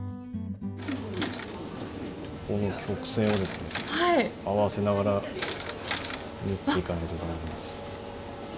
この曲線をですね合わせながら縫っていかないと駄目なんです。